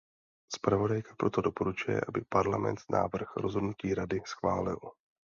Zpravodajka proto doporučuje, aby Parlament návrh rozhodnutí Rady schválil.